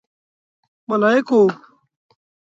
_ملايکو!